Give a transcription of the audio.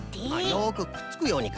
よくくっつくようにか。